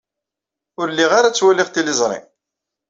Ur lliɣ ara ttwaliɣ tiliẓri.